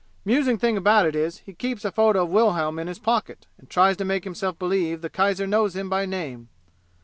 'Musing thing about it is he keeps a photo of Wilhelm in his pocket and tries to make himself believe the kaiser knows him by name.